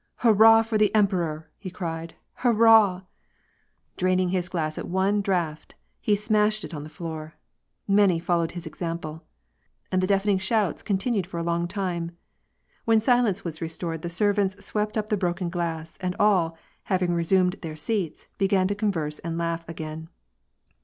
" Hurrah for the emperor !" he cried, " hurrah." Draining his glass at one draught, he smashed it on the floor. Many followed his example. And the deafening shouts continued for a long time. When silence was restored, the servants swept up the broken glass, and all, having resumed their seats, began to converse and laugh again.